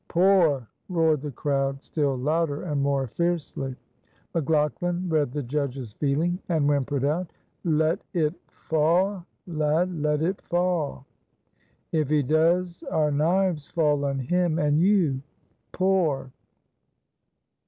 "Pour!" roared the crowd, still louder and more fiercely. McLaughlan read the judge's feeling, and whimpered out, "Let it fa', lad let it fa'!" "If he does our knives fall on him and you. Pour!"